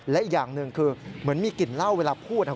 และอีกอย่างหนึ่งคือเหมือนมีกลิ่นเหล้าเวลาพูดนะครับ